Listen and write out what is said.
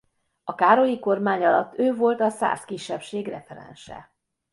A Károlyi-kormány alatt ő volt a szász kisebbség referense.